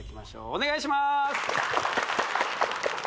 お願いします